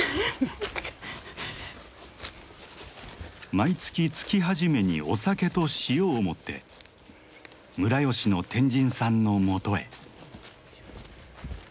毎月月初めにお酒と塩を持って村吉の天神さんのもとへ。